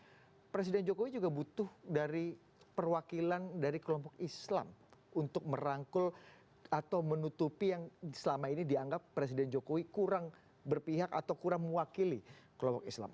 tapi presiden jokowi juga butuh dari perwakilan dari kelompok islam untuk merangkul atau menutupi yang selama ini dianggap presiden jokowi kurang berpihak atau kurang mewakili kelompok islam